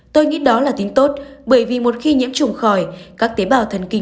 tôi nghĩ đó là tính tốt bởi vì một khi nhiễm chủng khỏi